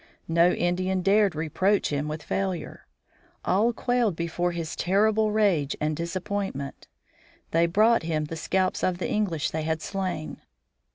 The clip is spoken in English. No Indian dared reproach him with failure. All quailed before his terrible rage and disappointment. They brought him the scalps of the English they had slain.